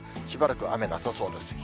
しばらく雨なさそうです。